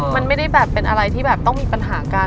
ไม่ได้เป็นอะไรที่ผมต้องมีปัญหาการ